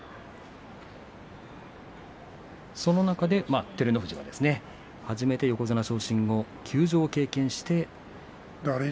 その中で照ノ富士が初めて横綱昇進後休場を経験して。